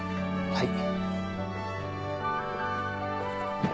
はい。